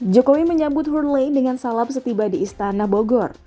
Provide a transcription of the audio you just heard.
jokowi menyambut hurley dengan salam setiba di istana bogor